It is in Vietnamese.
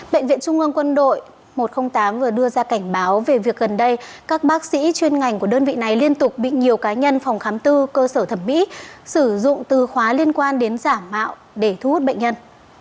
bệnh viện trung ương quân đội một trăm linh tám vừa đưa ra cảnh báo về việc gần đây các bác sĩ chuyên ngành của đơn vị này liên tục bị nhiều cá nhân phòng khám tư cơ sở thẩm mỹ sử dụng từ khóa liên quan đến giả mạo để thu hút bệnh nhân